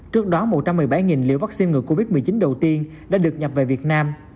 trước đó một trăm một mươi bảy liều vaccine ngừa covid một mươi chín đầu tiên đã được nhập về việt nam